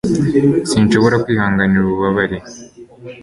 sinshobora kwihanganira ubu bubabare